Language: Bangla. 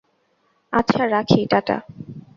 আচ্ছা, রাখি, টা টা।